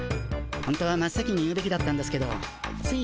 ほんとは真っ先に言うべきだったんですけどつい